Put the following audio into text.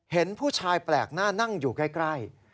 เห็นผู้ชายแปลกหน้านั่งอยู่ใกล้